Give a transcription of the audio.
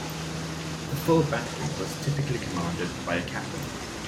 The full battery was typically commanded by a captain.